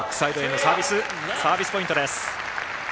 サービスポイントです。